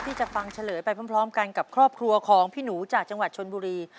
ที่จะฟังเฉลยไปพร้อมกันกับครอบครัวของพี่หนูจากจังหวัดชนบุรี